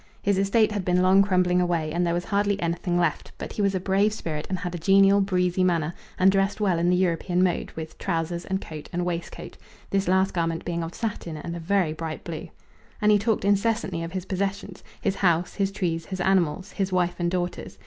His estate had been long crumbling away and there was hardly anything left; but he was a brave spirit and had a genial, breezy manner, and dressed well in the European mode, with trousers and coat and waistcoat this last garment being of satin and a very bright blue. And he talked incessantly of his possessions: his house, his trees, his animals, his wife and daughters.